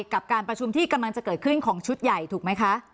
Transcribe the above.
กับการประชุมที่กำลังจะเกิดขึ้นของชุดใหญ่ถูกไหมคะ